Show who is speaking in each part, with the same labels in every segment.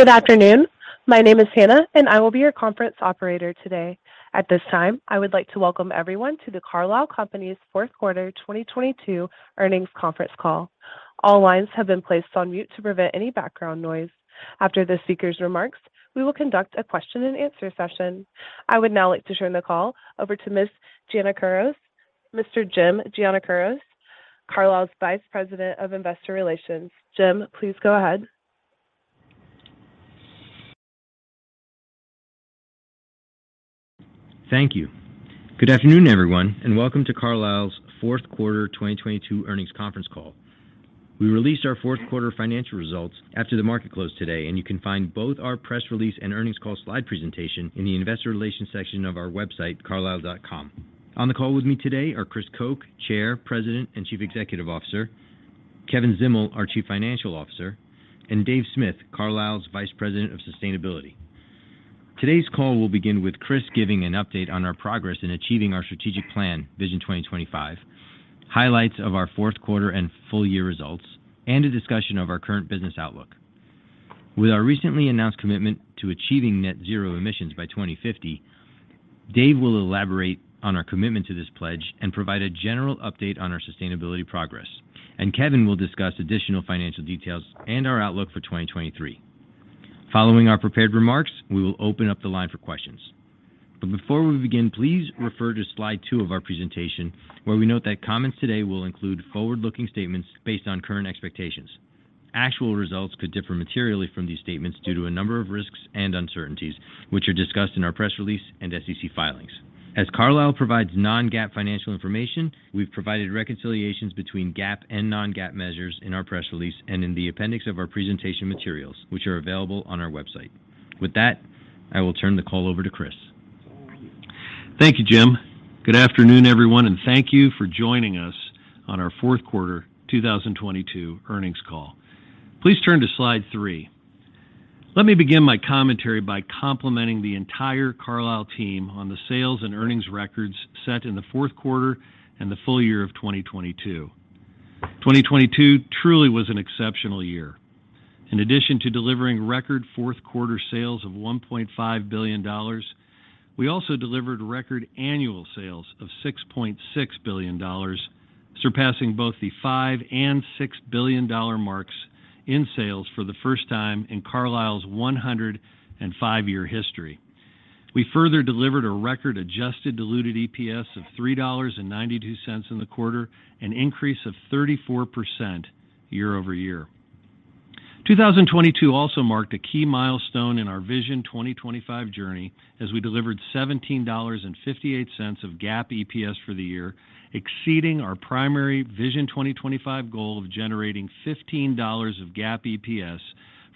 Speaker 1: Good afternoon. My name is Hannah. I will be your conference operator today. At this time, I would like to welcome everyone to the Carlisle Companies' fourth quarter 2022 earnings conference call. All lines have been placed on mute to prevent any background noise. After the speaker's remarks, we will conduct a question-and-answer session. I would now like to turn the call over to Mr. Jim Giannakouros, Carlisle Companies' Vice President of Investor Relations. Jim, please go ahead.
Speaker 2: Thank you. Good afternoon, everyone, and welcome to Carlisle's fourth quarter 2022 earnings conference call. We released our fourth quarter financial results after the market closed today, and you can find both our press release and earnings call slide presentation in the investor relations section of our website, carlisle.com. On the call with me today are Chris Koch, Chair, President, and Chief Executive Officer, Kevin Zdimal, our Chief Financial Officer, and Dave Smith, Carlisle's Vice President of Sustainability. Today's call will begin with Chris giving an update on our progress in achieving our strategic plan, Vision 2025, highlights of our fourth quarter and full year results, and a discussion of our current business outlook. With our recently announced commitment to achieving net zero emissions by 2050, Dave will elaborate on our commitment to this pledge and provide a general update on our sustainability progress. Kevin will discuss additional financial details and our outlook for 2023. Following our prepared remarks, we will open up the line for questions. Before we begin, please refer to slide two of our presentation, where we note that comments today will include forward-looking statements based on current expectations. Actual results could differ materially from these statements due to a number of risks and uncertainties, which are discussed in our press release and SEC filings. As Carlisle provides non-GAAP financial information, we've provided reconciliations between GAAP and non-GAAP measures in our press release and in the appendix of our presentation materials, which are available on our website. With that, I will turn the call over to Chris.
Speaker 3: Thank you, Jim. Good afternoon, everyone, and thank you for joining us on our fourth quarter 2022 earnings call. Please turn to slide three. Let me begin my commentary by complimenting the entire Carlisle team on the sales and earnings records set in the fourth quarter and the full year of 2022. 2022 truly was an exceptional year. In addition to delivering record fourth quarter sales of $1.5 billion, we also delivered record annual sales of $6.6 billion, surpassing both the $5 billion and $6 billion marks in sales for the first time in Carlisle's 105-year history. We further delivered a record adjusted diluted EPS of $3.92 in the quarter, an increase of 34% year-over-year. 2022 also marked a key milestone in our Vision 2025 journey as we delivered $17.58 of GAAP EPS for the year, exceeding our primary Vision 2025 goal of generating $15 of GAAP EPS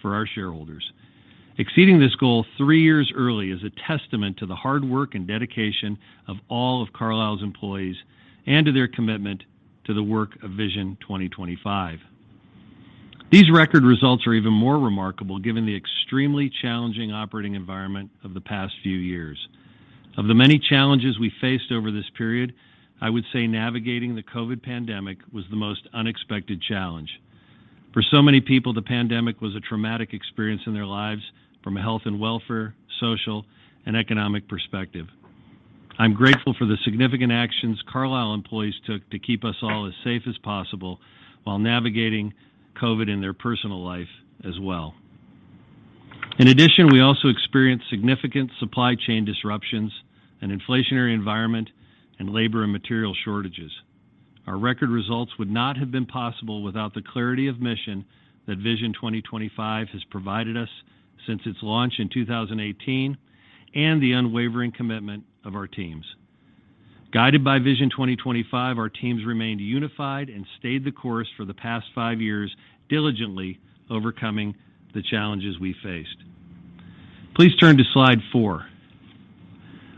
Speaker 3: for our shareholders. Exceeding this goal three years early is a testament to the hard work and dedication of all of Carlisle's employees and to their commitment to the work of Vision 2025. These record results are even more remarkable given the extremely challenging operating environment of the past few years. Of the many challenges we faced over this period, I would say navigating the COVID pandemic was the most unexpected challenge. For so many people, the pandemic was a traumatic experience in their lives from a health and welfare, social, and economic perspective. I'm grateful for the significant actions Carlisle employees took to keep us all as safe as possible while navigating COVID in their personal life as well. In addition, we also experienced significant supply chain disruptions, an inflationary environment, and labor and material shortages. Our record results would not have been possible without the clarity of mission that Vision 2025 has provided us since its launch in 2018 and the unwavering commitment of our teams. Guided by Vision 2025, our teams remained unified and stayed the course for the past five years, diligently overcoming the challenges we faced. Please turn to slide four.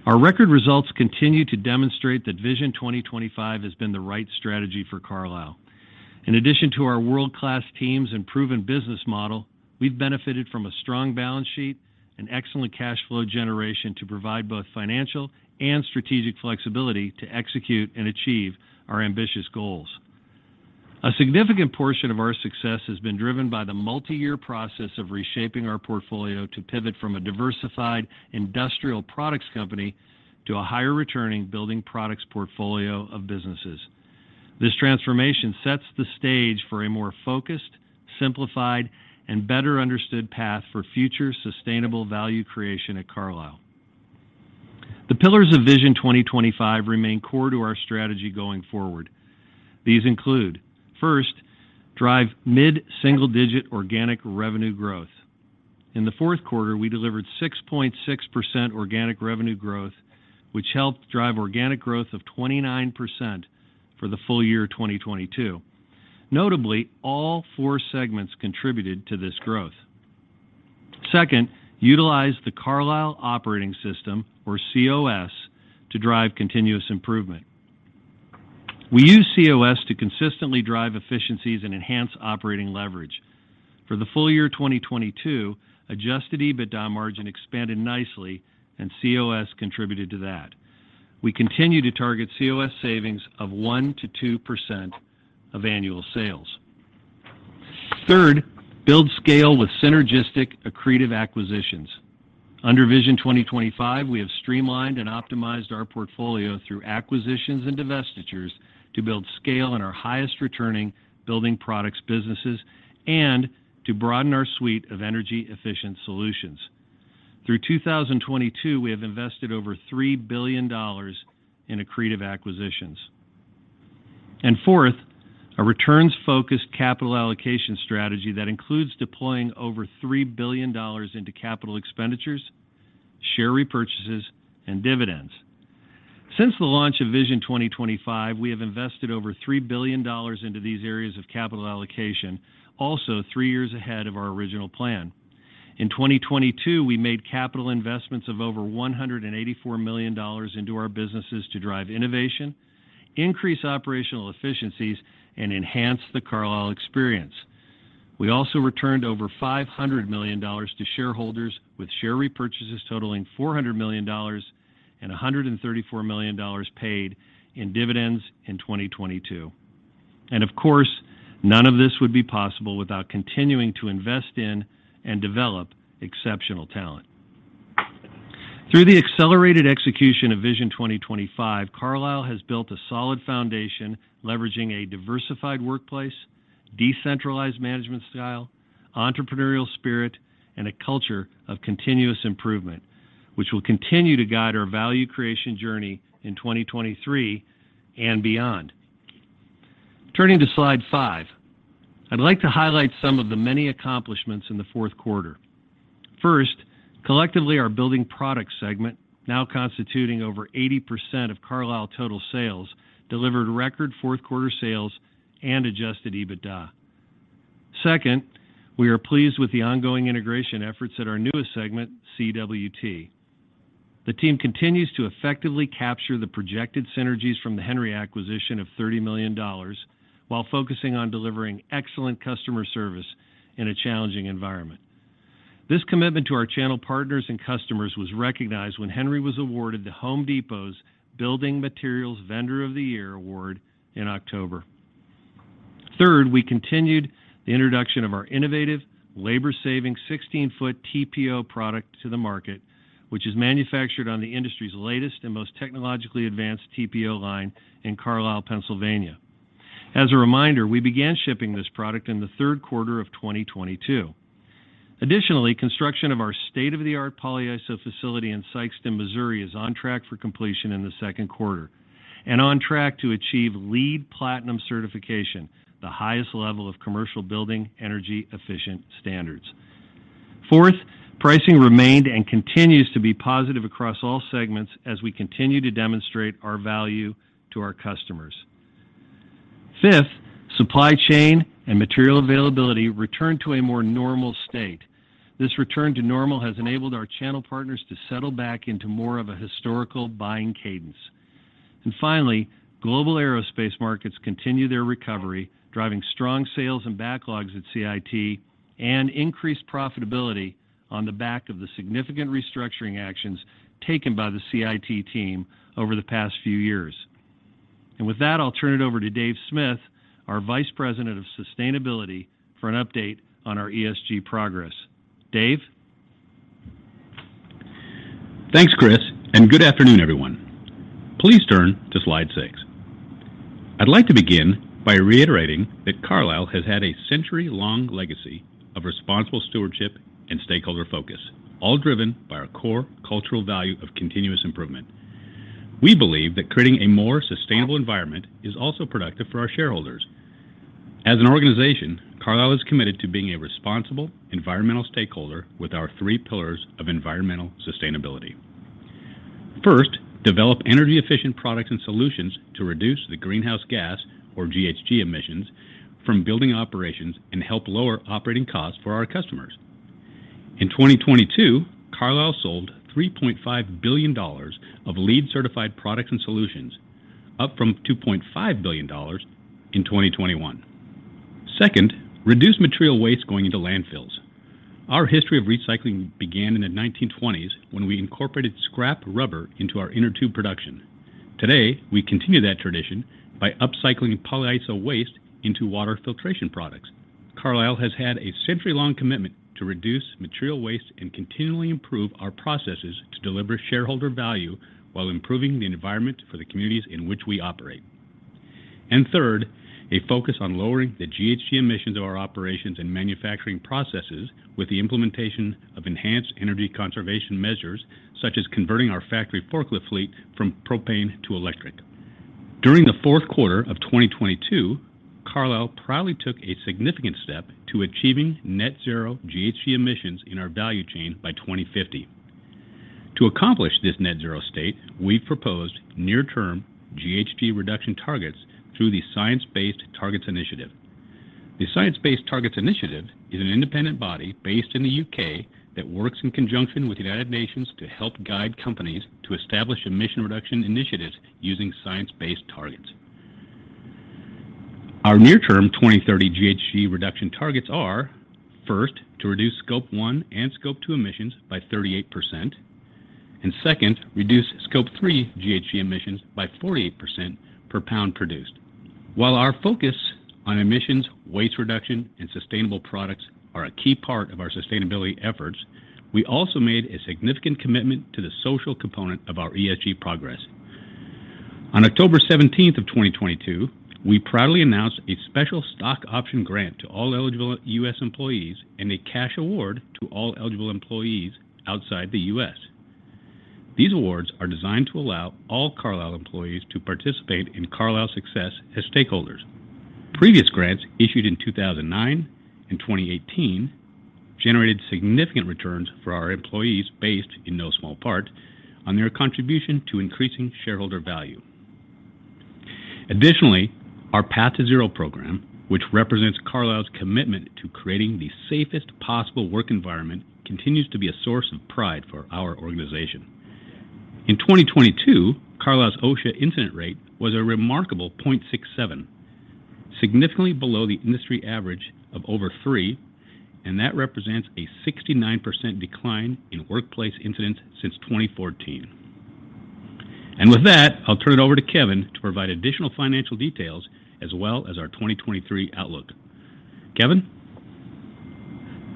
Speaker 3: Our record results continue to demonstrate that Vision 2025 has been the right strategy for Carlisle. In addition to our world-class teams and proven business model, we've benefited from a strong balance sheet and excellent cash flow generation to provide both financial and strategic flexibility to execute and achieve our ambitious goals. A significant portion of our success has been driven by the multi-year process of reshaping our portfolio to pivot from a diversified industrial products company to a higher returning building products portfolio of businesses. This transformation sets the stage for a more focused, simplified, and better understood path for future sustainable value creation at Carlisle. The pillars of Vision 2025 remain core to our strategy going forward. These include, first, drive mid-single digit organic revenue growth. In the fourth quarter, we delivered 6.6% organic revenue growth, which helped drive organic growth of 29% for the full year 2022. Notably, all four segments contributed to this growth. Second, utilize the Carlisle Operating System, or COS, to drive continuous improvement. We use COS to consistently drive efficiencies and enhance operating leverage. For the full year 2022, adjusted EBITDA margin expanded nicely, and COS contributed to that. We continue to target COS savings of 1% to 2% of annual sales. Third, build scale with synergistic accretive acquisitions. Under Vision 2025, we have streamlined and optimized our portfolio through acquisitions and divestitures to build scale in our highest returning building products businesses and to broaden our suite of energy-efficient solutions. Through 2022, we have invested over $3 billion in accretive acquisitions. Fourth, a returns-focused capital allocation strategy that includes deploying over $3 billion into capital expenditures, share repurchases, and dividends. Since the launch of Vision 2025, we have invested over $3 billion into these areas of capital allocation, also three years ahead of our original plan. In 2022, we made capital investments of over $184 million into our businesses to drive innovation, increase operational efficiencies, and enhance the Carlisle experience. We also returned over $500 million to shareholders, with share repurchases totaling $400 million and $134 million paid in dividends in 2022. Of course, none of this would be possible without continuing to invest in and develop exceptional talent. Through the accelerated execution of Vision 2025, Carlisle has built a solid foundation leveraging a diversified workplace, decentralized management style, entrepreneurial spirit, and a culture of continuous improvement, which will continue to guide our value creation journey in 2023 and beyond. Turning to slide five, I'd like to highlight some of the many accomplishments in the fourth quarter. First, collectively, our building product segment, now constituting over 80% of Carlisle total sales, delivered record fourth quarter sales and adjusted EBITDA. Second, we are pleased with the ongoing integration efforts at our newest segment, CWT. The team continues to effectively capture the projected synergies from the Henry acquisition of $30 million while focusing on delivering excellent customer service in a challenging environment. This commitment to our channel partners and customers was recognized when Henry was awarded The Home Depot's Building Materials Vendor of the Year award in October. Third, we continued the introduction of our innovative labor-saving 16-foot TPO product to the market, which is manufactured on the industry's latest and most technologically advanced TPO line in Carlisle, Pennsylvania. As a reminder, we began shipping this product in the third quarter of 2022. Additionally, construction of our state-of-the-art polyiso facility in Sikeston, Missouri is on track for completion in the second quarter and on track to achieve LEED Platinum certification, the highest level of commercial building energy-efficient standards. Fourth, pricing remained and continues to be positive across all segments as we continue to demonstrate our value to our customers. Fifth, supply chain and material availability returned to a more normal state. This return to normal has enabled our channel partners to settle back into more of a historical buying cadence. Finally, global aerospace markets continue their recovery, driving strong sales and backlogs at CFT and increased profitability on the back of the significant restructuring actions taken by the CFT team over the past few years. With that, I'll turn it over to Dave Smith, our Vice President of Sustainability, for an update on our ESG progress. Dave?
Speaker 4: Thanks, Chris. Good afternoon, everyone. Please turn to slide six. I'd like to begin by reiterating that Carlisle has had a century-long legacy of responsible stewardship and stakeholder focus, all driven by our core cultural value of continuous improvement. We believe that creating a more sustainable environment is also productive for our shareholders. As an organization, Carlisle is committed to being a responsible environmental stakeholder with our three pillars of environmental sustainability. First, develop energy-efficient products and solutions to reduce the greenhouse gas, or GHG emissions, from building operations and help lower operating costs for our customers. In 2022, Carlisle sold $3.5 billion of LEED certified products and solutions, up from $2.5 billion in 2021. Second, reduce material waste going into landfills. Our history of recycling began in the 1920s when we incorporated scrap rubber into our inner tube production. Today, we continue that tradition by upcycling polyiso waste into water filtration products. Carlisle has had a century-long commitment to reduce material waste and continually improve our processes to deliver shareholder value while improving the environment for the communities in which we operate. Third, a focus on lowering the GHG emissions of our operations and manufacturing processes with the implementation of enhanced energy conservation measures, such as converting our factory forklift fleet from propane to electric. During the fourth quarter of 2022, Carlisle proudly took a significant step to achieving net zero GHG emissions in our value chain by 2050. To accomplish this net zero state, we've proposed near-term GHG reduction targets through the Science Based Targets initiative. The Science Based Targets initiative is an independent body based in the U.K. that works in conjunction with the United Nations to help guide companies to establish emission reduction initiatives using science-based targets. Our near-term 2030 GHG reduction targets are, first, to reduce Scope 1 and Scope 2 emissions by 38%. Second, reduce Scope 3 GHG emissions by 48% per pound produced. While our focus on emissions, waste reduction, and sustainable products are a key part of our sustainability efforts, we also made a significant commitment to the social component of our ESG progress. On October 17th of 2022, we proudly announced a special stock option grant to all eligible U.S. employees and a cash award to all eligible employees outside the U.S. These awards are designed to allow all Carlisle employees to participate in Carlisle's success as stakeholders. Previous grants issued in 2009 and 2018 generated significant returns for our employees based, in no small part, on their contribution to increasing shareholder value. Additionally, our Path to Zero program, which represents Carlisle's commitment to creating the safest possible work environment, continues to be a source of pride for our organization. In 2022, Carlisle's OSHA incident rate was a remarkable 0.67, significantly below the industry average of over 3. That represents a 69% decline in workplace incidents since 2014. With that, I'll turn it over to Kevin to provide additional financial details as well as our 2023 outlook. Kevin?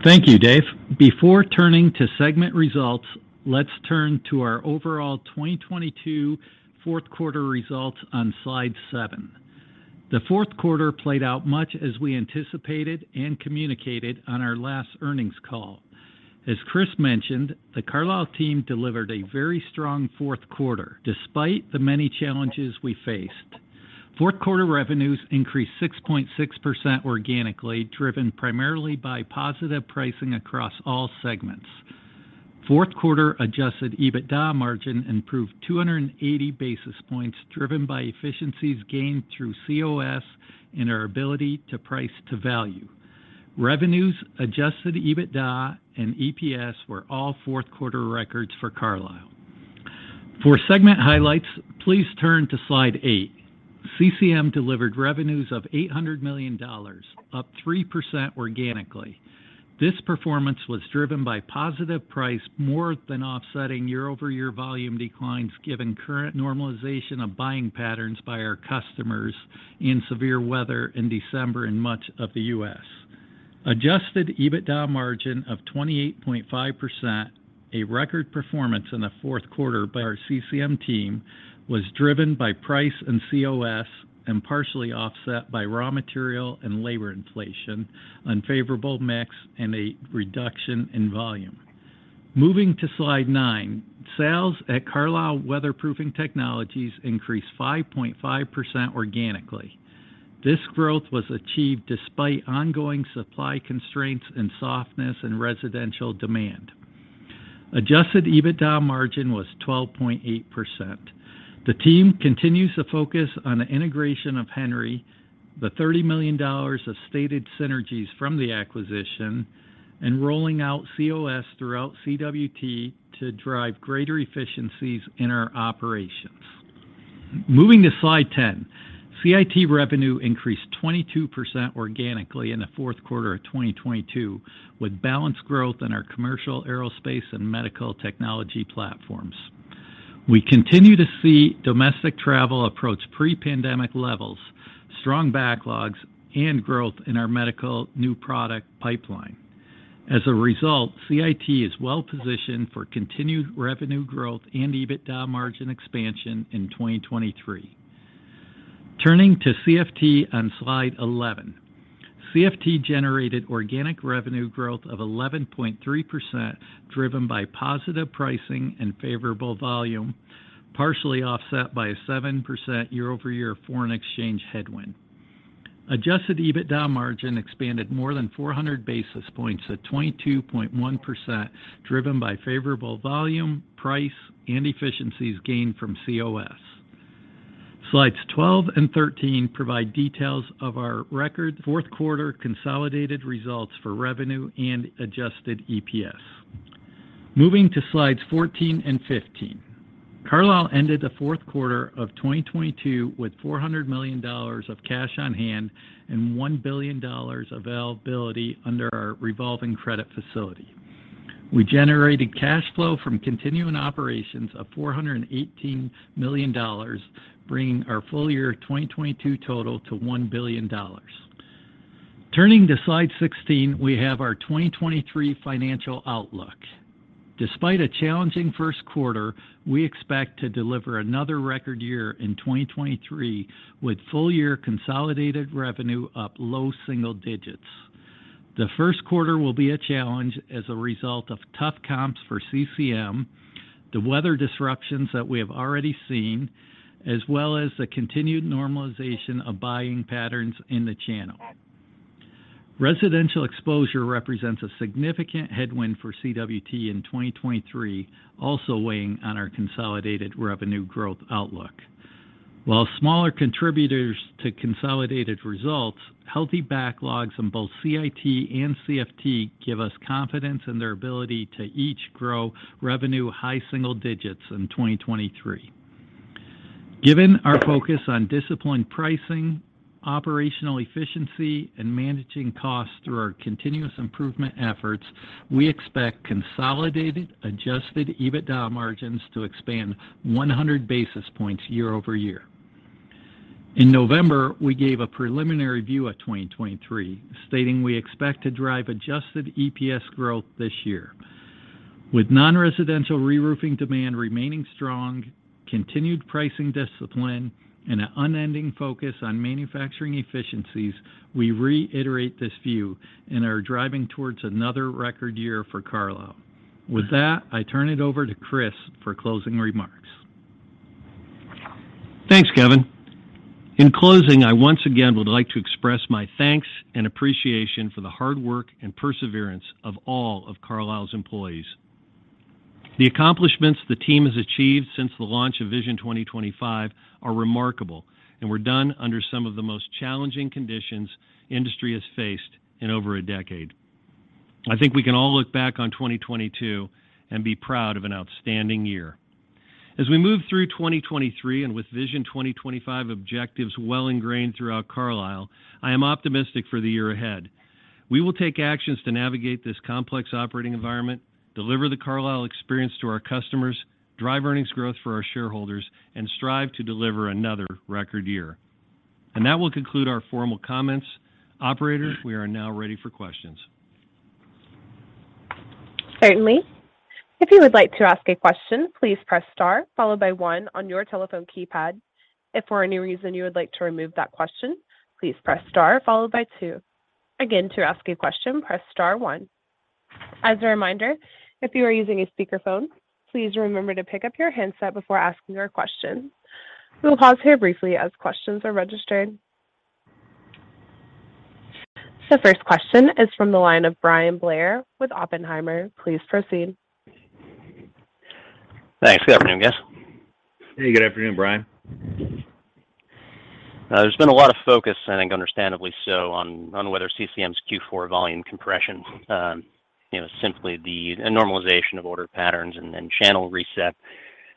Speaker 5: Thank you, Dave. Before turning to segment results, let's turn to our overall 2022 fourth quarter results on slide 7. The fourth quarter played out much as we anticipated and communicated on our last earnings call. As Chris mentioned, the Carlisle team delivered a very strong fourth quarter despite the many challenges we faced. Fourth quarter revenues increased 6.6% organically, driven primarily by positive pricing across all segments. Fourth quarter adjusted EBITDA margin improved 280 basis points, driven by efficiencies gained through COS and our ability to price to value. Revenues, adjusted EBITDA, and EPS were all fourth quarter records for Carlisle. For segment highlights, please turn to slide 8. CCM delivered revenues of $800 million, up 3% organically. This performance was driven by positive price more than offsetting year-over-year volume declines given current normalization of buying patterns by our customers in severe weather in December in much of the U.S. adjusted EBITDA margin of 28.5%, a record performance in the fourth quarter by our CCM team, was driven by price and COS and partially offset by raw material and labor inflation, unfavorable mix, and a reduction in volume. Moving to slide nine, sales at Carlisle Weatherproofing Technologies increased 5.5% organically. This growth was achieved despite ongoing supply constraints and softness in residential demand. adjusted EBITDA margin was 12.8%. The team continues to focus on the integration of Henry, the $30 million of stated synergies from the acquisition, and rolling out COS throughout CWT to drive greater efficiencies in our operations. Moving to slide 10, CIT revenue increased 22% organically in the fourth quarter of 2022 with balanced growth in our commercial aerospace and medical technology platforms. We continue to see domestic travel approach pre-pandemic levels, strong backlogs, and growth in our medical new product pipeline. As a result, CIT is well-positioned for continued revenue growth and EBITDA margin expansion in 2023. Turning to CFT on slide 11. CFT generated organic revenue growth of 11.3% driven by positive pricing and favorable volume, partially offset by a 7% year-over-year foreign exchange headwind. Adjusted EBITDA margin expanded more than 400 basis points at 22.1% driven by favorable volume, price, and efficiencies gained from COS. Slides 12 and 13 provide details of our record fourth quarter consolidated results for revenue and adjusted EPS. Moving to slides 14 and 15. Carlisle ended the fourth quarter of 2022 with $400 million of cash on hand and $1 billion availability under our revolving credit facility. We generated cash flow from continuing operations of $418 million, bringing our full year 2022 total to $1 billion. Turning to slide 16, we have our 2023 financial outlook. Despite a challenging first quarter, we expect to deliver another record year in 2023 with full year consolidated revenue up low single digits. The first quarter will be a challenge as a result of tough comps for CCM, the weather disruptions that we have already seen, as well as the continued normalization of buying patterns in the channel. Residential exposure represents a significant headwind for CWT in 2023, also weighing on our consolidated revenue growth outlook. While smaller contributors to consolidated results, healthy backlogs in both CIT and CFT give us confidence in their ability to each grow revenue high single digits in 2023. Given our focus on disciplined pricing, operational efficiency, and managing costs through our continuous improvement efforts, we expect consolidated, adjusted EBITDA margins to expand 100 basis points year-over-year. In November, we gave a preliminary view of 2023, stating we expect to drive adjusted EPS growth this year. With non-residential reroofing demand remaining strong, continued pricing discipline, and an unending focus on manufacturing efficiencies, we reiterate this view and are driving towards another record year for Carlisle. I turn it over to Chris for closing remarks.
Speaker 3: Thanks, Kevin. In closing, I once again would like to express my thanks and appreciation for the hard work and perseverance of all of Carlisle's employees. The accomplishments the team has achieved since the launch of Vision 2025 are remarkable and were done under some of the most challenging conditions the industry has faced in over a decade. I think we can all look back on 2022 and be proud of an outstanding year. As we move through 2023 and with Vision 2025 objectives well ingrained throughout Carlisle, I am optimistic for the year ahead. We will take actions to navigate this complex operating environment, deliver the Carlisle experience to our customers, drive earnings growth for our shareholders, and strive to deliver another record year. That will conclude our formal comments. Operator, we are now ready for questions.
Speaker 1: Certainly. If you would like to ask a question, please press star followed by one on your telephone keypad. If for any reason you would like to remove that question, please press star followed by two. Again, to ask a question, press star one. As a reminder, if you are using a speakerphone, please remember to pick up your handset before asking your question. We will pause here briefly as questions are registered. The first question is from the line of Bryan Blair with Oppenheimer. Please proceed.
Speaker 6: Thanks. Good afternoon, guys.
Speaker 3: Hey, good afternoon, Bryan.
Speaker 6: There's been a lot of focus, I think understandably so, on whether CCM's Q4 volume compression, you know, is simply the normalization of order patterns and then channel reset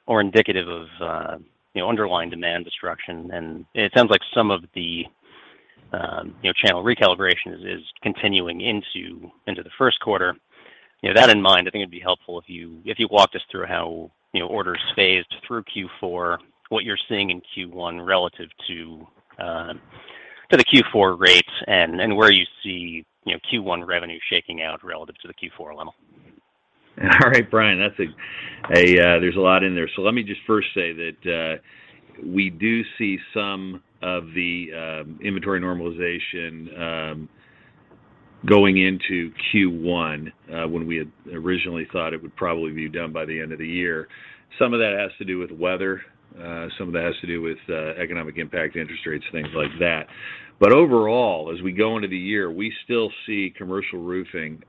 Speaker 6: or indicative of, you know, underlying demand destruction. It sounds like some of the, you know, channel recalibration is continuing into the first quarter. You know, that in mind, I think it'd be helpful if you walked us through how, you know, orders phased through Q4, what you're seeing in Q1 relative to the Q4 rates and where you see, you know, Q1 revenue shaking out relative to the Q4 level.
Speaker 3: All right, Bryan, that's a lot in there. Let me just first say that we do see some of the inventory normalization going into Q1 when we had originally thought it would probably be done by the end of the year. Some of that has to do with weather. Some of that has to do with economic impact, interest rates, things like that. Overall, as we go into the year, we still see commercial roofing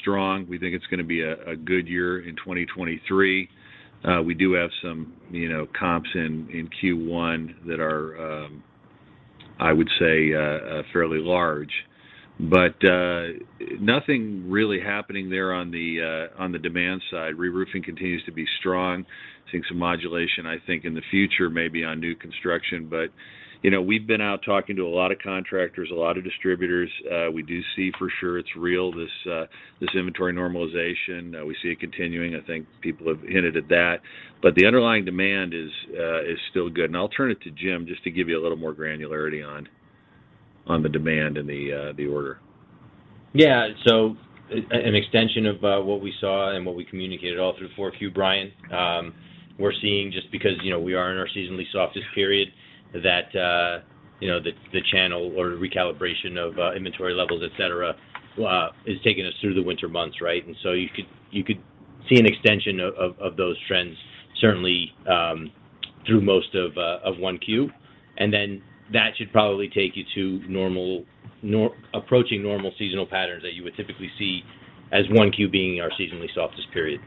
Speaker 3: strong. We think it's gonna be a good year in 2023. We do have some, you know, comps in Q1 that are I would say fairly large. Nothing really happening there on the demand side. Reroofing continues to be strong. Seeing some modulation, I think, in the future maybe on new construction. You know, we've been out talking to a lot of contractors, a lot of distributors. We do see for sure it's real, this inventory normalization. We see it continuing. I think people have hinted at that. The underlying demand is still good. I'll turn it to Jim just to give you a little more granularity on the demand and the order.
Speaker 2: Yeah. An extension of what we saw and what we communicated all through the fourth Q, Bryan. We're seeing just because, you know, we are in our seasonally softest period that, you know, the channel or recalibration of inventory levels, et cetera, is taking us through the winter months, right? You could see an extension of those trends certainly through most of one Q. That should probably take you to normal approaching normal seasonal patterns that you would typically see as one Q being our seasonally softest period.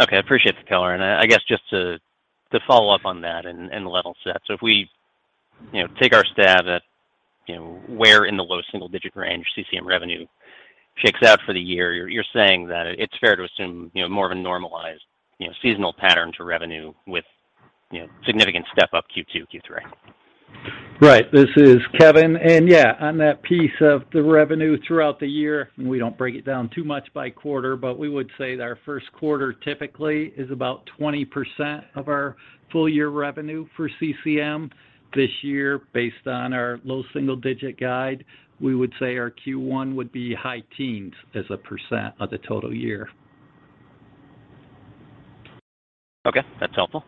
Speaker 6: Okay. I appreciate the color. I guess just to follow up on that and the level set. If we, you know, take our stab at, you know, where in the low single-digit range CCM revenue shakes out for the year, you're saying that it's fair to assume, you know, more of a normalized, you know, seasonal pattern to revenue with, you know, significant step-up Q2, Q3.
Speaker 5: Right. This is Kevin. Yeah, on that piece of the revenue throughout the year, we don't break it down too much by quarter. We would say that our first quarter typically is about 20% of our full-year revenue for CCM this year based on our low single-digit guide. We would say our Q1 would be high teens as a percent of the total year.
Speaker 6: Okay. That's helpful.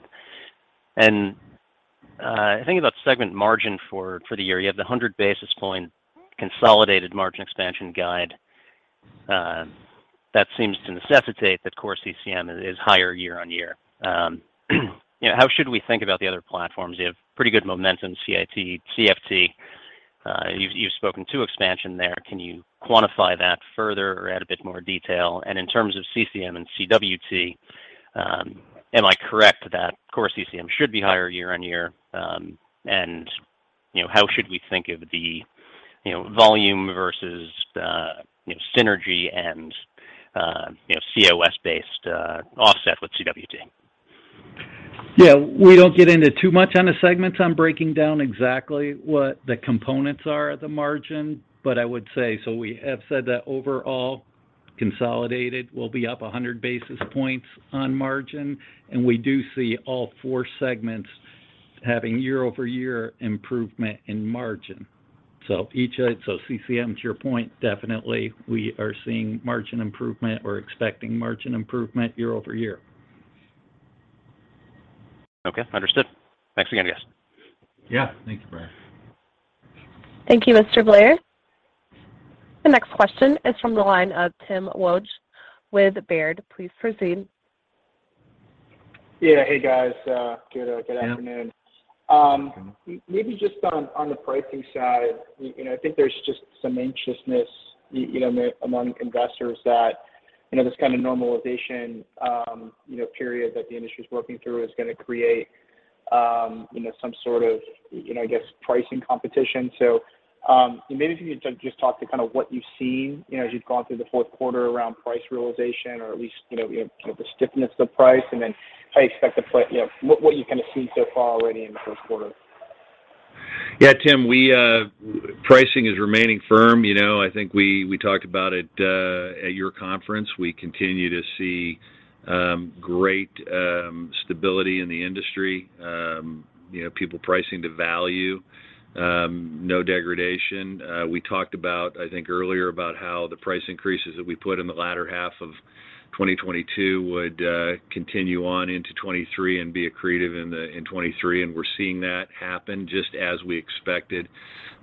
Speaker 6: Thinking about segment margin for the year, you have the 100 basis point consolidated margin expansion guide. That seems to necessitate that core CCM is higher year-on-year. You know, how should we think about the other platforms? You have pretty good momentum, CIT, CFT. You've spoken to expansion there. Can you quantify that further or add a bit more detail? In terms of CCM and CWT, am I correct that core CCM should be higher year-on-year? You know, how should we think of the, you know, volume versus the, you know, synergy and, you know, COS-based, offset with CWT?
Speaker 5: Yeah. We don't get into too much on the segments. I'm breaking down exactly what the components are at the margin. I would say, we have said that overall consolidated will be up 100 basis points on margin, and we do see all four segments having year-over-year improvement in margin. CCM, to your point, definitely we are seeing margin improvement or expecting margin improvement year-over-year.
Speaker 6: Okay. Understood. Thanks again, guys.
Speaker 3: Yeah. Thank you, Brian.
Speaker 1: Thank you, Mr. Blair. The next question is from the line of Tim Wojs with Baird. Please proceed.
Speaker 7: Yeah. Hey, guys. good afternoon.
Speaker 3: Yeah.
Speaker 7: Maybe just on the pricing side. You know, I think there's just some anxiousness, you know, among investors that, you know, this kind of normalization, you know, period that the industry's working through is gonna create, you know, some sort of, you know, I guess, pricing competition. Maybe if you could just talk to kind of what you've seen, you know, as you've gone through the fourth quarter around price realization or at least, you know, the stiffness of price and then how you expect to play... You know, what you kind of see so far already in the first quarter.
Speaker 3: Yeah, Tim. Pricing is remaining firm. You know, I think we talked about it at your conference. We continue to see great stability in the industry. You know, people pricing to value, no degradation. We talked about, I think, earlier about how the price increases that we put in the latter half of 2022 would continue on into 2023 and be accretive in 2023, and we're seeing that happen just as we expected.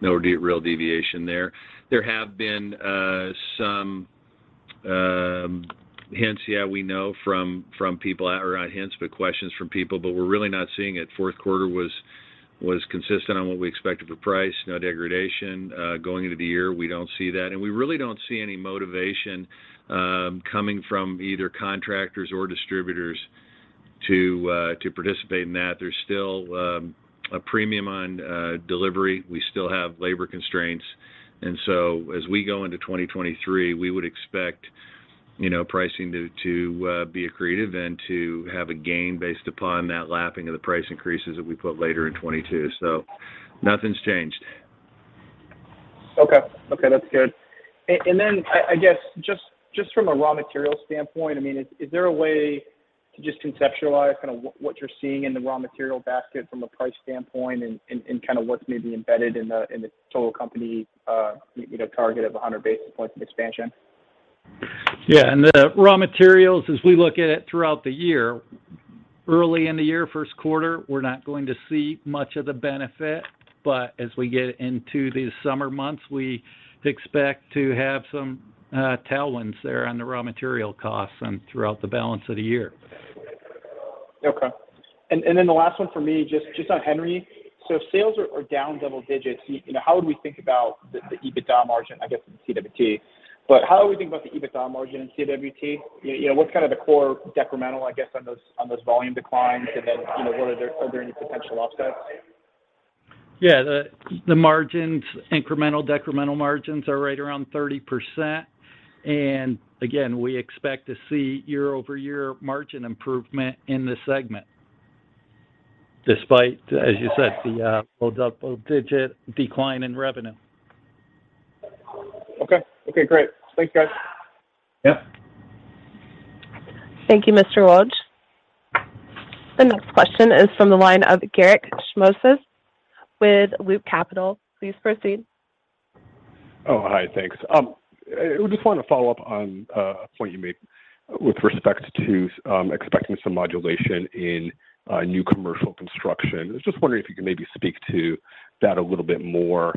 Speaker 3: No de-real deviation there. There have been some hints, yeah, we know from people. Or not hints, but questions from people. We're really not seeing it. Fourth quarter was consistent on what we expected for price. No degradation going into the year. We don't see that. We really don't see any motivation coming from either contractors or distributors to participate in that. There's still a premium on delivery. We still have labor constraints. As we go into 2023, we would expect, you know, pricing to be accretive and to have a gain based upon that lapping of the price increases that we put later in 2022. Nothing's changed.
Speaker 7: Okay. Okay, that's good. Then I guess just from a raw material standpoint, I mean, is there a way to just conceptualize kind of what you're seeing in the raw material basket from a price standpoint and kind of what's maybe embedded in the total company, you know, target of 100 basis points of expansion?
Speaker 5: Yeah. The raw materials, as we look at it throughout the year, early in the year, first quarter, we're not going to see much of the benefit, but as we get into the summer months, we expect to have some tailwinds there on the raw material costs and throughout the balance of the year.
Speaker 7: Okay. The last one for me, just on Henry. If sales are down double digits, you know, how would we think about the EBITDA margin, I guess, in CWT? How are we thinking about the EBITDA margin in CWT? You know, what's kind of the core decremental, I guess, on those volume declines? Then, you know, are there any potential offsets?
Speaker 5: Yeah. The margins, incremental decremental margins are right around 30%. Again, we expect to see year-over-year margin improvement in this segment despite, as you said, the double-digit decline in revenue.
Speaker 7: Okay. Okay, great. Thanks, guys.
Speaker 3: Yeah.
Speaker 1: Thank you, Mr. Wojs. The next question is from the line of Garik Shmois with Loop Capital. Please proceed.
Speaker 8: Hi. Thanks. Just wanted to follow up on a point you made with respect to expecting some modulation in new commercial construction. I was just wondering if you could maybe speak to that a little bit more,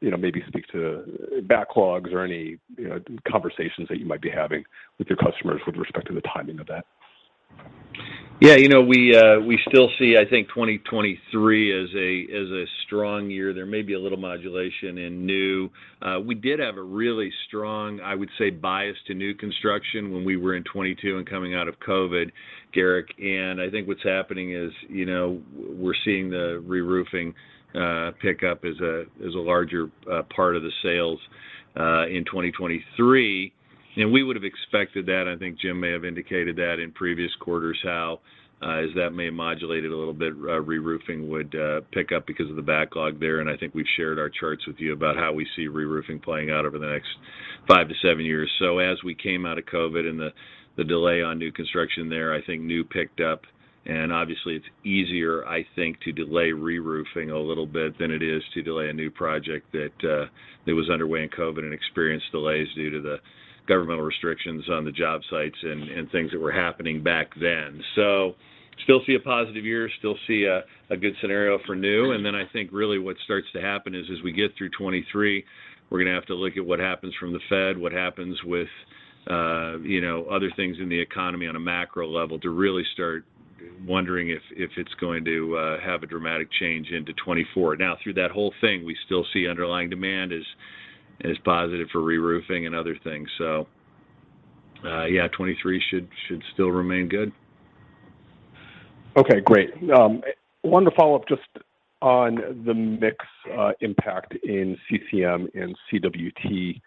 Speaker 8: you know, maybe speak to backlogs or any, you know, conversations that you might be having with your customers with respect to the timing of that?
Speaker 3: Yeah. You know, we still see, I think, 2023 as a strong year. There may be a little modulation in new. We did have a really strong, I would say, bias to new construction when we were in 2022 and coming out of COVID, Garik. I think what's happening is, you know, we're seeing the reroofing pick up as a larger part of the sales in 2023. We would have expected that. I think Jim may have indicated that in previous quarters, how as that may modulate it a little bit, reroofing would pick up because of the backlog there. I think we've shared our charts with you about how we see reroofing playing out over the next five to seven years. As we came out of COVID and the delay on new construction there, I think new picked up. Obviously it's easier, I think, to delay reroofing a little bit than it is to delay a new project that was underway in COVID and experienced delays due to the governmental restrictions on the job sites and things that were happening back then. Still see a positive year, still see a good scenario for new. Then I think really what starts to happen is, as we get through 2023, we're gonna have to look at what happens from the Fed, what happens with, you know, other things in the economy on a macro level to really start wondering if it's going to have a dramatic change into 2024. Through that whole thing, we still see underlying demand as positive for reroofing and other things. Yeah, 2023 should still remain good.
Speaker 8: Okay, great. Wanted to follow up just on the mix impact in CCM and CWT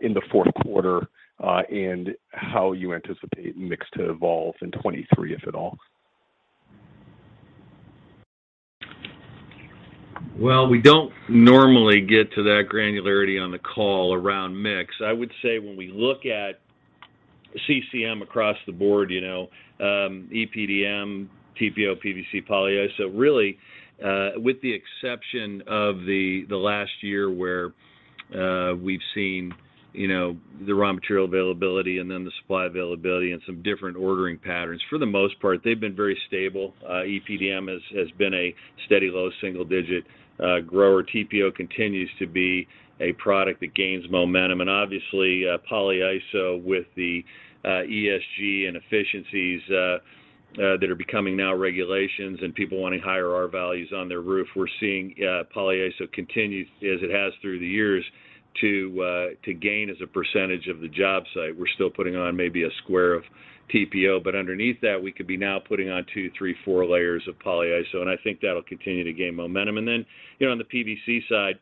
Speaker 8: in the fourth quarter, and how you anticipate mix to evolve in 2023, if at all.
Speaker 3: Well, we don't normally get to that granularity on the call around mix. I would say when we look at CCM across the board, you know, EPDM, TPO, PVC, polyiso, really, with the exception of the last year where we've seen, you know, the raw material availability and then the supply availability and some different ordering patterns. For the most part, they've been very stable. EPDM has been a steady low single digit grower. TPO continues to be a product that gains momentum. Obviously, polyiso with the ESG and efficiencies that are becoming now regulations and people wanting higher R-values on their roof. We're seeing polyiso continue, as it has through the years, to gain as a % of the job site. We're still putting on maybe a square of TPO, but underneath that, we could be now putting on 2, 3, 4 layers of polyiso, and I think that'll continue to gain momentum. You know, on the PVC side,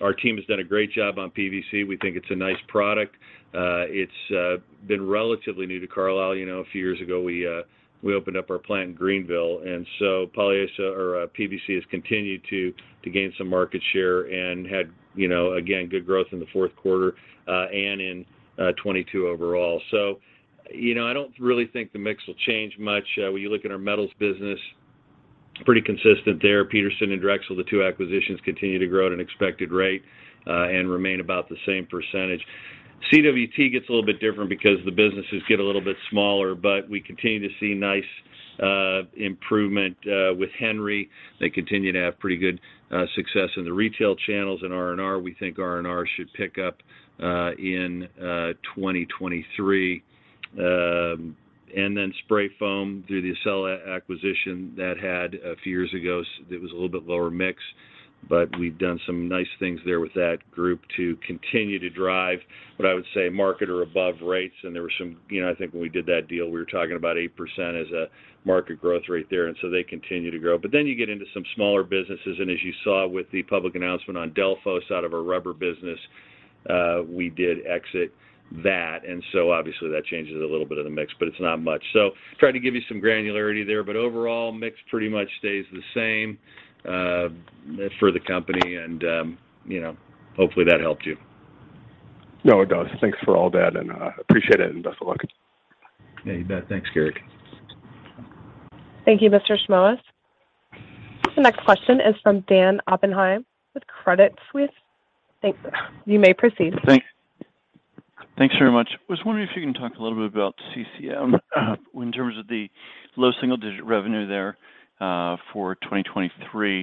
Speaker 3: our team has done a great job on PVC. We think it's a nice product. It's been relatively new to Carlisle. You know, a few years ago, we opened up our plant in Greenville, polyiso or PVC has continued to gain some market share and had, you know, again, good growth in the fourth quarter and in 2022 overall. You know, I don't really think the mix will change much. When you look at our metals business, pretty consistent there. Petersen and Drexel Metals, the two acquisitions, continue to grow at an expected rate and remain about the same percentage. CWT gets a little bit different because the businesses get a little bit smaller, but we continue to see nice improvement with Henry. They continue to have pretty good success in the retail channels and R&R. We think R&R should pick up in 2023. Then spray foam through the Accella acquisition that had a few years ago it was a little bit lower mix, but we've done some nice things there with that group to continue to drive what I would say market or above rates. There were some. You know, I think when we did that deal, we were talking about 8% as a market growth rate there. They continue to grow. You get into some smaller businesses, as you saw with the public announcement on Delfos out of our rubber business, we did exit that. Obviously, that changes a little bit of the mix, but it's not much. Tried to give you some granularity there, but overall, mix pretty much stays the same for the company and, you know. Hopefully, that helped you.
Speaker 8: No, it does. Thanks for all that and appreciate it, and best of luck.
Speaker 3: Yeah, you bet. Thanks, Garik.
Speaker 1: Thank you, Mr. Shmois. The next question is from Dan Oppenheim with Credit Suisse. Thanks. You may proceed.
Speaker 9: Thanks very much. Was wondering if you can talk a little bit about CCM in terms of the low single digit revenue there for 2023.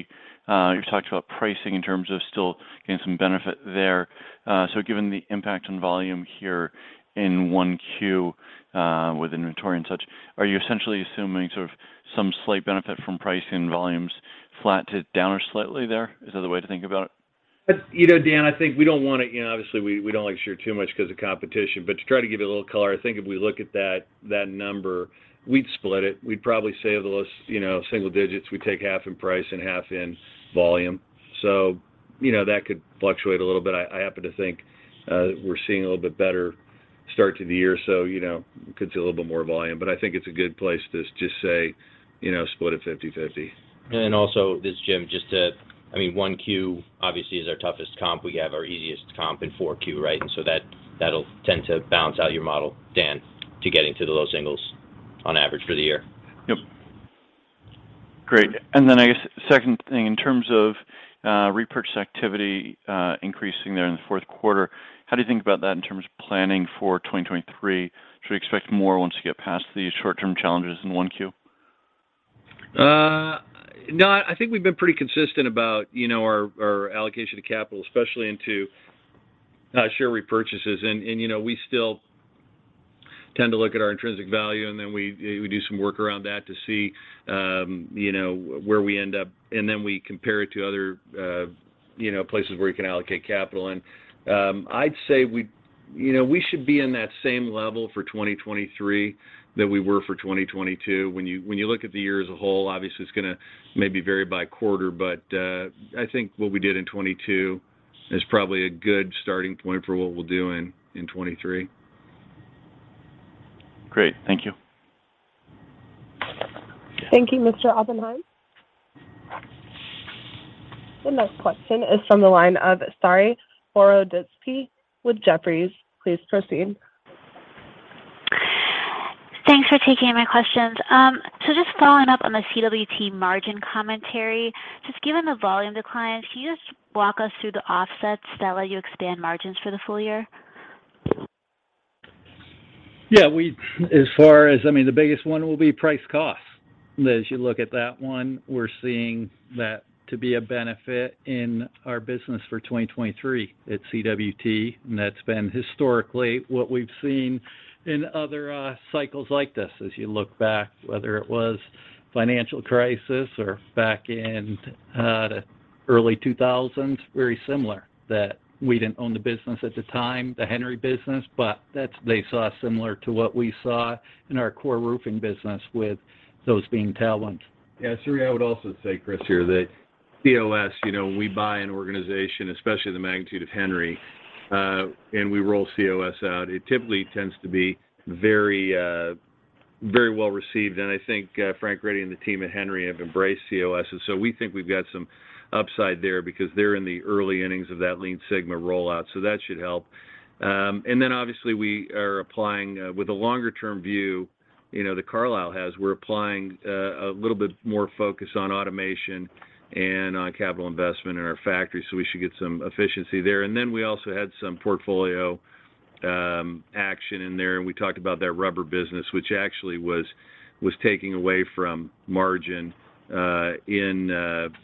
Speaker 9: You've talked about pricing in terms of still getting some benefit there. Given the impact on volume here in 1Q with inventory and such, are you essentially assuming sort of some slight benefit from pricing volumes flat to down or slightly there? Is that a way to think about it?
Speaker 3: You know, Dan, I think we don't want to. You know, obviously, we don't like to share too much 'cause of competition, but to try to give you a little color, I think if we look at that number, we'd split it. We'd probably say the less, you know, single digits, we take half in price and half in volume. You know, that could fluctuate a little bit. I happen to think we're seeing a little bit better start to the year, so, you know, could see a little bit more volume. I think it's a good place to just say, you know, split it 50/50.
Speaker 2: This is Jim, I mean, 1Q obviously is our toughest comp. We have our easiest comp in 4Q, right? So that'll tend to balance out your model, Dan, to getting to the low singles on average for the year.
Speaker 9: Yep. Great. Then I guess second thing, in terms of repurchase activity, increasing there in the fourth quarter, how do you think about that in terms of planning for 2023? Should we expect more once you get past these short-term challenges in one Q?
Speaker 3: no, I think we've been pretty consistent about, you know, our allocation of capital, especially into, share repurchases. You know, we still tend to look at our intrinsic value, and then we do some work around that to see, you know, where we end up, and then we compare it to other, you know, places where you can allocate capital. You know, we should be in that same level for 2023 than we were for 2022. When you look at the year as a whole, obviously, it's gonna maybe vary by quarter, but, I think what we did in 2022 is probably a good starting point for what we'll do in 2023.
Speaker 9: Great. Thank you.
Speaker 1: Thank you, Mr. Oppenheim. The next question is from the line of Saree Boroditsky with Jefferies. Please proceed.
Speaker 10: Thanks for taking my questions. Just following up on the CWT margin commentary. Just given the volume decline, can you just walk us through the offsets that let you expand margins for the full year?
Speaker 5: Yeah. As far as... I mean, the biggest one will be price cost. As you look at that one, we're seeing that to be a benefit in our business for 2023 at CWT, and that's been historically what we've seen in other cycles like this as you look back, whether it was financial crisis or back in the early 2000s, very similar. We didn't own the business at the time, the Henry business, they saw similar to what we saw in our core roofing business with those being tailwinds.
Speaker 3: Yeah. Saree, I would also say, Chris here, that COS, you know, we buy an organization, especially the magnitude of Henry, and we roll COS out. It typically tends to be very, very well received, and I think Frank Ready and the team at Henry have embraced COS. We think we've got some upside there because they're in the early innings of that Lean Sigma rollout, so that should help. Obviously, with a longer-term view, you know, that Carlisle has, we're applying a little bit more focus on automation and on capital investment in our factory, so we should get some efficiency there. We also had some portfolio action in there, and we talked about that rubber business, which actually was taking away from margin in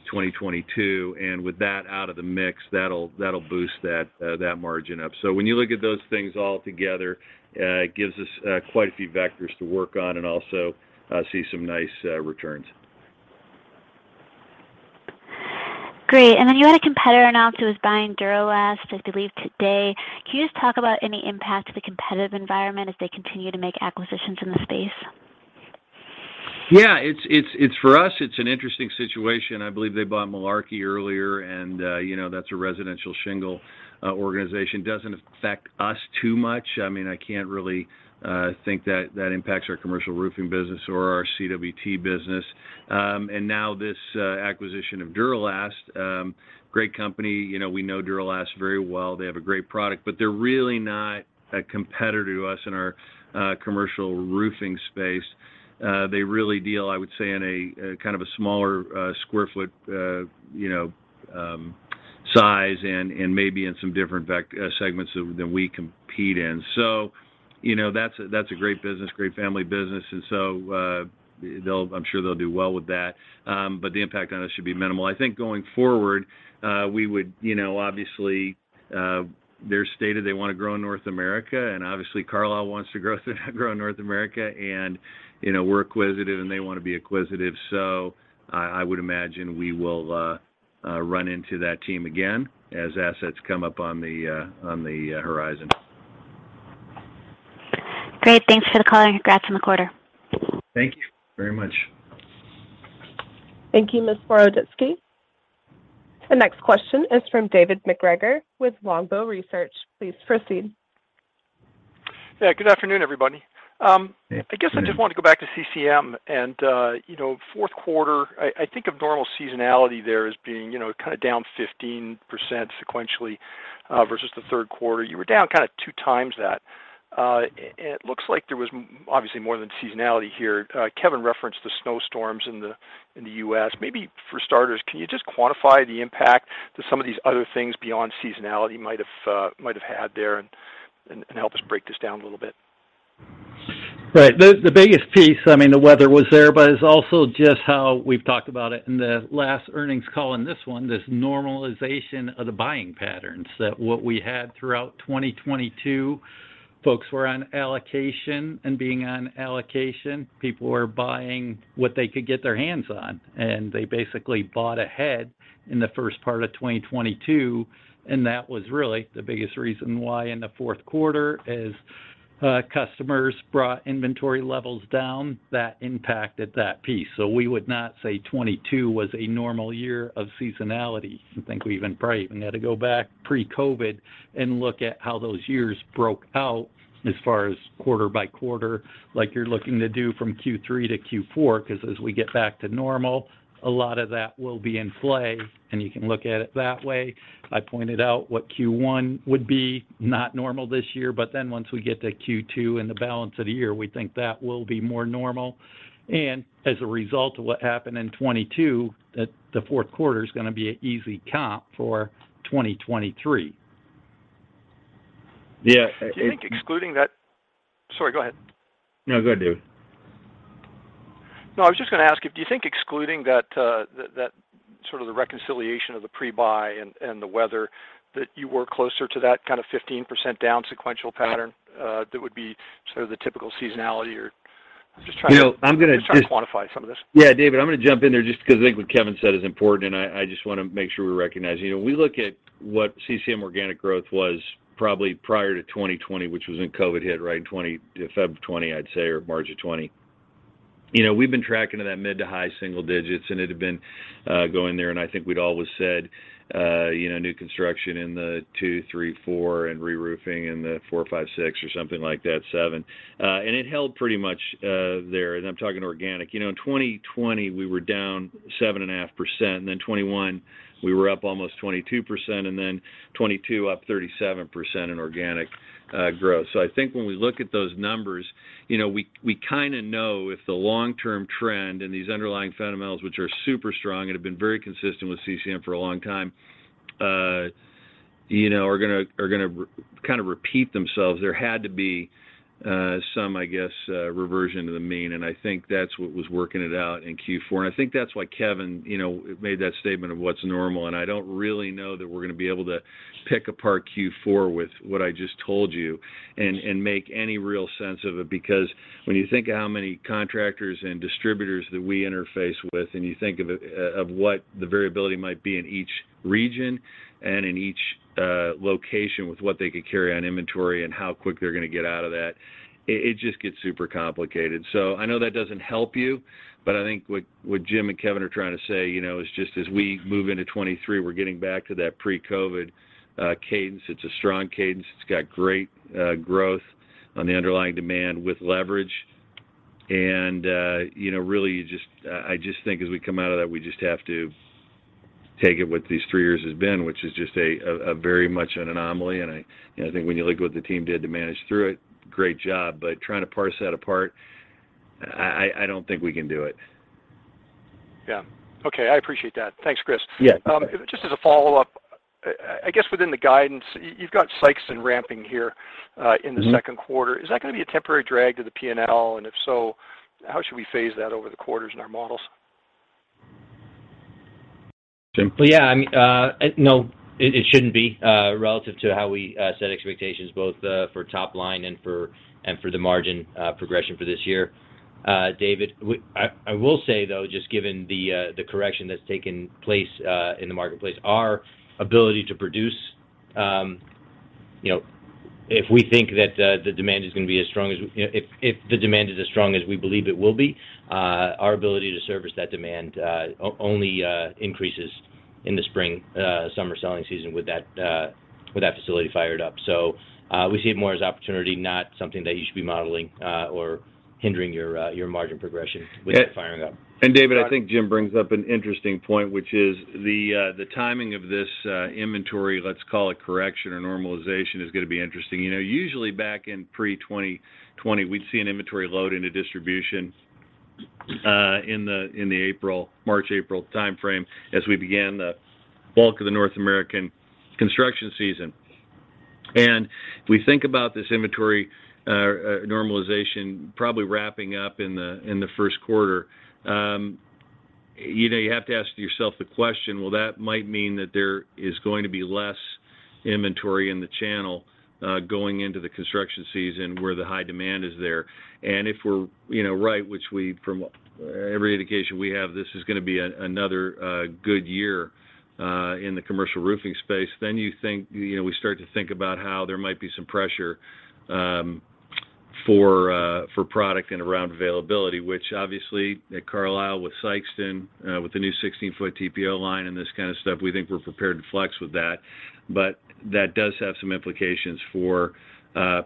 Speaker 3: 2022. With that out of the mix, that'll boost that margin up. When you look at those things all together, it gives us quite a few vectors to work on and also see some nice returns.
Speaker 10: Great. Then you had a competitor announce it was buying Duro-Last, I believe today. Can you just talk about any impact to the competitive environment as they continue to make acquisitions in the space?
Speaker 3: Yeah, it's for us, it's an interesting situation. I believe they bought Malarkey earlier, you know, that's a residential shingle organization. Doesn't affect us too much. I mean, I can't really think that that impacts our commercial roofing business or our CWT business. Now this acquisition of Duro-Last, great company. You know, we know Duro-Last very well. They have a great product, they're really not a competitor to us in our commercial roofing space. They really deal, I would say, in a kind of a smaller square foot, you know, size and maybe in some different segments than we compete in. You know, that's a, that's a great business, great family business, I'm sure they'll do well with that. The impact on us should be minimal. I think going forward, you know, obviously, they're stated they wanna grow in North America, and obviously Carlisle wants to grow in North America. You know, we're acquisitive, and they wanna be acquisitive. I would imagine we will run into that team again as assets come up on the, on the, horizon.
Speaker 10: Great. Thanks for the color. Congrats on the quarter.
Speaker 3: Thank you very much.
Speaker 1: Thank you, Ms. Boroditsky. The next question is from David MacGregor with Longbow Research. Please proceed.
Speaker 11: Yeah, good afternoon, everybody.
Speaker 3: Good afternoon
Speaker 11: I guess I just want to go back to CCM and, you know, fourth quarter. I think of normal seasonality there as being, you know, kind of down 15% sequentially, versus the third quarter. You were down kind of 2x that. It looks like there was obviously more than seasonality here. Kevin referenced the snowstorms in the, in the U.S. Maybe for starters, can you just quantify the impact that some of these other things beyond seasonality might have, might have had there and help us break this down a little bit?
Speaker 5: Right. The biggest piece, I mean, the weather was there, but it's also just how we've talked about it in the last earnings call and this one, this normalization of the buying patterns, that what we had throughout 2022, folks were on allocation. Being on allocation, people were buying what they could get their hands on, and they basically bought ahead in the first part of 2022, and that was really the biggest reason why in the fourth quarter is customers brought inventory levels down. That impacted that piece. We would not say 2022 was a normal year of seasonality. I think we even probably even had to go back pre-COVID and look at how those years broke out as far as quarter by quarter, like you're looking to do from Q3 to Q4, 'cause as we get back to normal, a lot of that will be in play, and you can look at it that way. I pointed out what Q1 would be not normal this year, but then once we get to Q2 and the balance of the year, we think that will be more normal. As a result of what happened in 2022, the fourth quarter's gonna be an easy comp for 2023.
Speaker 3: Yeah.
Speaker 11: Do you think excluding that... Sorry, go ahead.
Speaker 3: No, go ahead, David.
Speaker 11: No, I was just gonna ask if do you think excluding that sort of the reconciliation of the pre-buy and the weather, that you were closer to that kind of 15% down sequential pattern, that would be sort of the typical seasonality or? I'm just trying to.
Speaker 3: Bill, I'm gonna
Speaker 11: I'm just trying to quantify some of this.
Speaker 3: David, I'm gonna jump in there just 'cause I think what Kevin said is important, and I just wanna make sure we recognize. You know, we look at what CCM organic growth was probably prior to 2020, which was when COVID hit, right, in Feb of 2020, I'd say, or March of 2020. You know, we've been tracking to that mid to high single digits, and it had been going there, and I think we'd always said, you know, new construction in the two, three, four and reroofing in the four, five, six or something like that, seven. It held pretty much there, and I'm talking organic. You know, in 2020, we were down 7.5%, and then 2021, we were up almost 22%, and then 2022, up 37% in organic growth. I think when we look at those numbers, you know, we kinda know if the long-term trend and these underlying fundamentals, which are super strong and have been very consistent with CCM for a long time, you know, are gonna, are gonna kind of repeat themselves. There had to be some, I guess, reversion to the mean, and I think that's what was working it out in Q4. I think that's why Kevin, you know, made that statement of what's normal, and I don't really know that we're gonna be able to pick apart Q4 with what I just told you and make any real sense of it. Because when you think of how many contractors and distributors that we interface with and you think of what the variability might be in each region and in each location with what they could carry on inventory and how quick they're going to get out of that, it just gets super complicated. So I know that doesn't help you, but I think what Jim and Kevin are trying to say, you know, is just as we move into 2023, we're getting back to that pre-COVID cadence. It's a strong cadence. It's got great growth on the underlying demand with leverage. And, you know, really just, I just think as we come out of that, we just have to Take it what these three years has been, which is just a very much an anomaly. I, you know, I think when you look at what the team did to manage through it, great job. Trying to parse that apart, I don't think we can do it.
Speaker 11: Yeah. Okay. I appreciate that. Thanks, Chris.
Speaker 3: Yeah.
Speaker 11: Just as a follow-up, I guess within the guidance, you've got Sikeston ramping here, in the second quarter.
Speaker 3: Mm-hmm.
Speaker 11: Is that gonna be a temporary drag to the P&L? If so, how should we phase that over the quarters in our models?
Speaker 3: Jim.
Speaker 2: Yeah, I mean, no, it shouldn't be, relative to how we set expectations both for top line and for the margin progression for this year, David. I will say though, just given the correction that's taken place in the marketplace, our ability to produce, you know, if we think that the demand is gonna be as strong as, you know, if the demand is as strong as we believe it will be, our ability to service that demand, only increases in the spring, summer selling season with that, with that facility fired up. We see it more as opportunity, not something that you should be modeling, or hindering your margin progression with it firing up.
Speaker 3: David, I think Jim brings up an interesting point, which is the timing of this, inventory, let's call it correction or normalization, is gonna be interesting. You know, usually back in pre-2020, we'd see an inventory load into distribution, in the, in the April, March, April timeframe as we began the bulk of the North American construction season. We think about this inventory, normalization probably wrapping up in the, in the first quarter. You know, you have to ask yourself the question, well, that might mean that there is going to be less inventory in the channel, going into the construction season where the high demand is there. If we're, you know, right, which we from every indication we have, this is gonna be another good year in the commercial roofing space, you think, you know, we start to think about how there might be some pressure for product and around availability, which obviously at Carlisle with Sikeston, with the new 16-foot TPO line and this kind of stuff, we think we're prepared to flex with that. That does have some implications for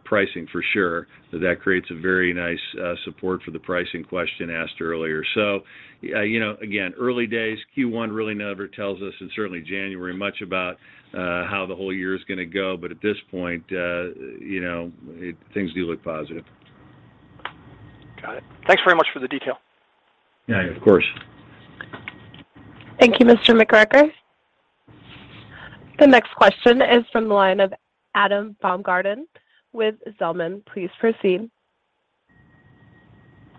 Speaker 3: pricing for sure. That creates a very nice support for the pricing question asked earlier. You know, again, early days, Q1 really never tells us, and certainly January much about how the whole year is gonna go. At this point, you know, things do look positive.
Speaker 11: Got it. Thanks very much for the detail.
Speaker 3: Yeah, of course.
Speaker 1: Thank you, Mr. MacGregor. The next question is from the line of Adam Baumgarten with Zelman. Please proceed.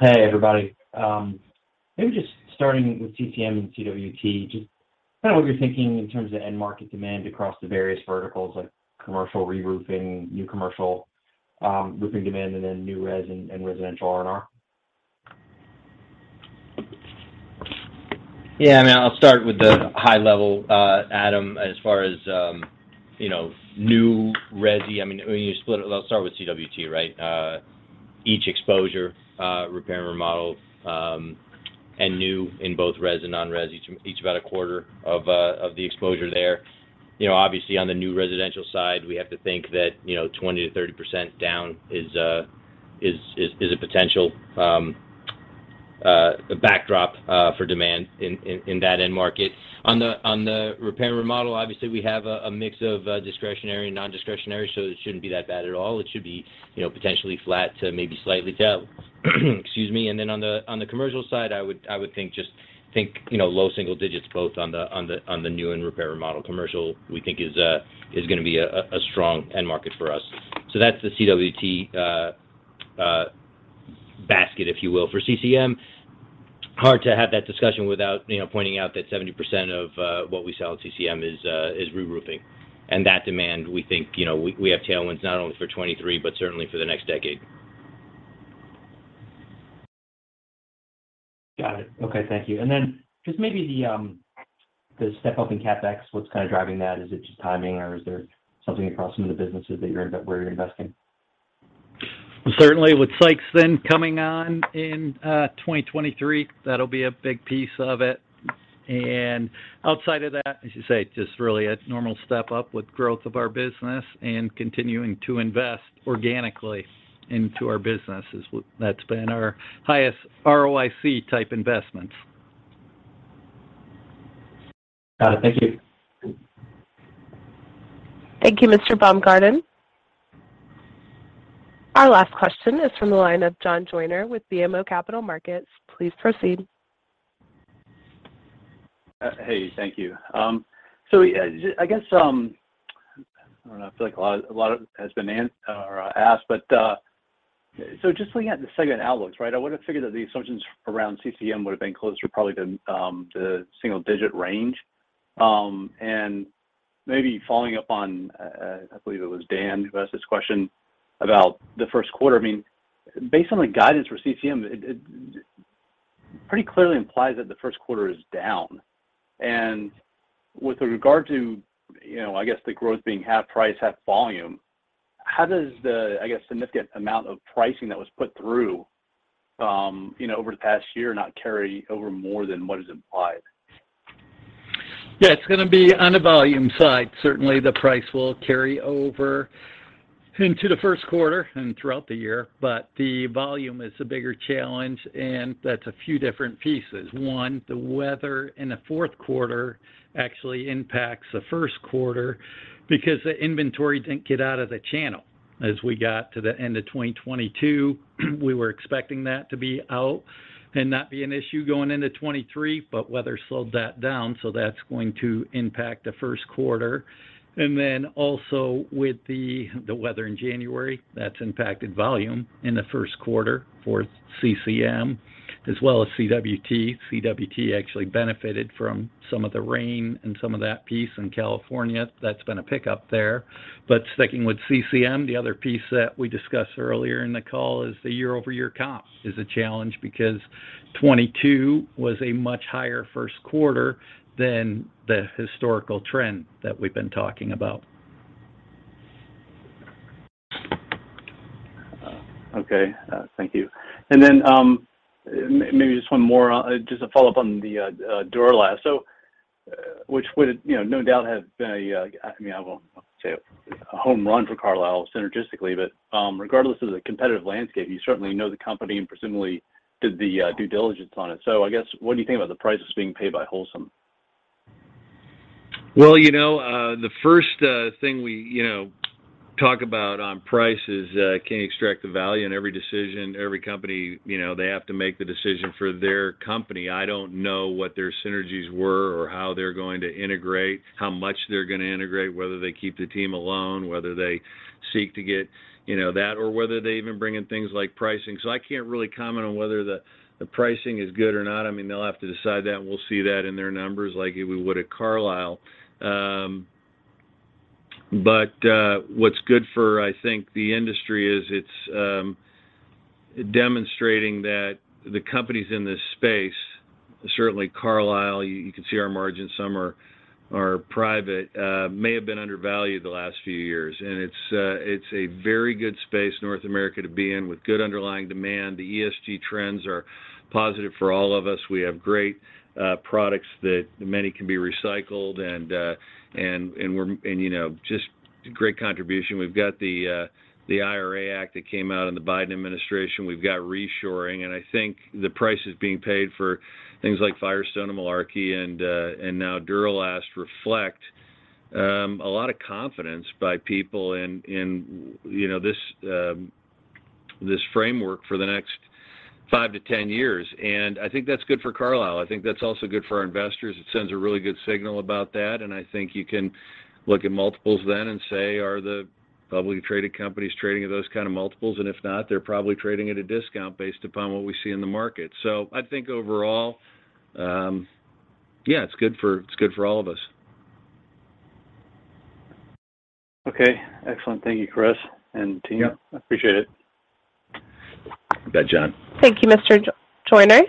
Speaker 12: Hey, everybody. maybe just starting with CCM and CWT, just kind of what you're thinking in terms of end market demand across the various verticals like commercial reroofing, new commercial, roofing demand, and then new res and residential R&R?
Speaker 2: I mean, I'll start with the high level, Adam, as far as, you know, new resi. I mean, when you split it... I'll start with CWT, right? Each exposure, repair and remodel, and new in both res and non-res, each about a quarter of the exposure there. You know, obviously on the new residential side, we have to think that, you know, 20%-30% down is a potential backdrop for demand in that end market. On the repair and remodel, obviously, we have a mix of discretionary and non-discretionary, it shouldn't be that bad at all. It should be, you know, potentially flat to maybe slightly down. Excuse me. Then on the commercial side, I would think just think, you know, low single digits both on the new and repair and remodel commercial, we think is gonna be a strong end market for us. That's the CWT basket, if you will. For CCM, hard to have that discussion without, you know, pointing out that 70% of what we sell at CCM is reroofing. That demand, we think, you know, we have tailwinds not only for 2023, but certainly for the next decade.
Speaker 12: Got it. Okay. Thank you. Then just maybe the step up in CapEx, what's kind of driving that? Is it just timing or is there something across some of the businesses that you're where you're investing?
Speaker 5: Certainly with Sikeston coming on in 2023, that'll be a big piece of it. Outside of that, as you say, just really a normal step up with growth of our business and continuing to invest organically into our business that's been our highest ROIC type investment.
Speaker 12: Got it. Thank you.
Speaker 1: Thank you, Mr. Baumgarten. Our last question is from the line of John Joyner with BMO Capital Markets. Please proceed.
Speaker 13: Hey, thank you. I guess, I don't know, I feel like a lot of has been asked, just looking at the segment outlooks, right? I would have figured that the assumptions around CCM would have been closer probably to single digit range. Maybe following up on, I believe it was Dan who asked this question about the first quarter. I mean, based on the guidance for CCM, it pretty clearly implies that the first quarter is down. With regard to, you know, I guess the growth being half price, half volume, how does the, I guess, significant amount of pricing that was put through, you know, over the past year not carry over more than what is implied?
Speaker 5: Yeah, it's gonna be on the volume side. Certainly, the price will carry over. Into the first quarter and throughout the year, but the volume is a bigger challenge, and that's a few different pieces. One, the weather in the fourth quarter actually impacts the first quarter because the inventory didn't get out of the channel. As we got to the end of 2022, we were expecting that to be out and not be an issue going into 2023, but weather slowed that down, so that's going to impact the first quarter. Then also with the weather in January, that's impacted volume in the first quarter for CCM as well as CWT. CWT actually benefited from some of the rain and some of that piece in California. That's been a pickup there. Sticking with CCM, the other piece that we discussed earlier in the call is the year-over-year comp is a challenge because 2022 was a much higher first quarter than the historical trend that we've been talking about.
Speaker 13: Okay. Thank you. Maybe just one more. Just a follow-up on the Duro-Last. Which would, you know, no doubt have been a, I mean, I won't say a home run for Carlisle synergistically, but, regardless of the competitive landscape, you certainly know the company and presumably did the due diligence on it. I guess, what do you think about the prices being paid by Holcim?
Speaker 3: Well, you know, the first thing we, you know, talk about on price is, can you extract the value? Every decision, every company, you know, they have to make the decision for their company. I don't know what their synergies were or how they're going to integrate, how much they're gonna integrate, whether they keep the team alone, whether they seek to get, you know, that or whether they even bring in things like pricing. I can't really comment on whether the pricing is good or not. I mean, they'll have to decide that, and we'll see that in their numbers like we would at Carlisle. What's good for, I think, the industry is it's demonstrating that the companies in this space, certainly Carlisle, you can see our margins, some are private, may have been undervalued the last few years. It's a very good space North America to be in with good underlying demand. The ESG trends are positive for all of us. We have great products that many can be recycled and, you know, just great contribution. We've got the IRA act that came out in the Biden administration. We've got reshoring, I think the prices being paid for things like Firestone and Malarkey and now Duro-Last reflect a lot of confidence by people in, you know, this framework for the next 5 to 10 years. I think that's good for Carlisle. I think that's also good for our investors. It sends a really good signal about that, and I think you can look at multiples then and say, are the publicly traded companies trading at those kind of multiples? If not, they're probably trading at a discount based upon what we see in the market. I think overall, yeah, it's good for all of us.
Speaker 13: Okay, excellent. Thank you, Chris and team.
Speaker 3: Yep.
Speaker 13: I appreciate it.
Speaker 3: You bet, John.
Speaker 1: Thank you, Mr. Blair.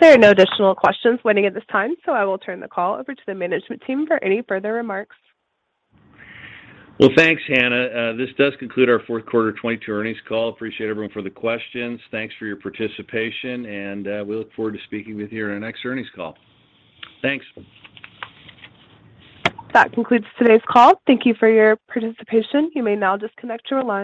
Speaker 1: There are no additional questions waiting at this time. I will turn the call over to the management team for any further remarks.
Speaker 3: Well, thanks, Hannah. This does conclude our fourth quarter 2022 earnings call. Appreciate everyone for the questions. Thanks for your participation. We look forward to speaking with you in our next earnings call. Thanks.
Speaker 1: That concludes today's call. Thank you for your participation. You may now disconnect your lines.